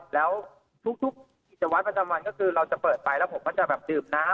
แล้วทุกกิจวัตรประจำวันก็คือเราจะเปิดไปแล้วผมก็จะแบบดื่มน้ำ